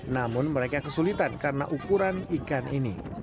namun mereka kesulitan karena ukuran ikan ini